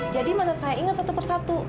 jadi mana saya ingat satu persatu